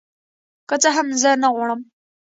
که څه هم زه نغواړم